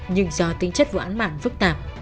nhưng do tính chất vụ án mạng phức tạp